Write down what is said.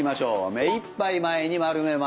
目いっぱい前に丸めます。